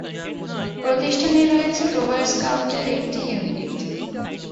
প্রতিষ্ঠানে রয়েছে rover scout এর একটি ইউনিট।